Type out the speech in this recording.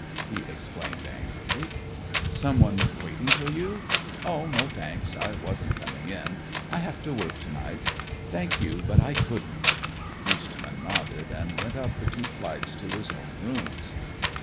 he exclaimed angrily. "Someone waiting for you? Oh, no, thanks. I wasn't coming in. I have to work to night. Thank you, but I couldn't." Eastman nodded and went up the two flights to his own rooms.